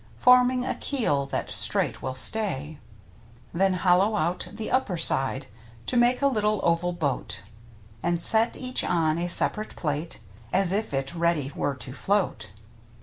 Forming a keel that straight will stay. Then hollow out the upper side To make a little oval boat, And set each on a sep'rate plate, As if it ready were to float.